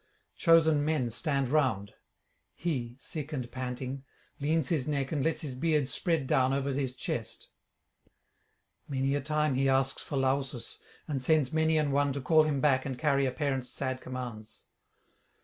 Chosen men stand round; he, sick and panting, leans his neck and lets his beard spread down over his chest. Many a time he asks for Lausus, and sends many an one to call him back and carry a parent's sad commands.